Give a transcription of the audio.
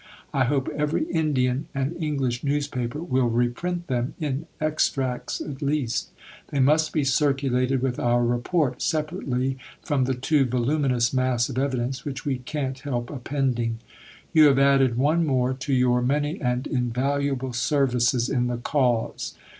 I hope every Indian and English newspaper will reprint them, in extracts at least. They must be circulated with our Report, separately from the too voluminous mass of evidence which we can't help appending. You have added one more to your many and invaluable services in the cause."